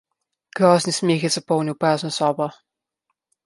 Grozni smeh je zapolnil prazno sobo.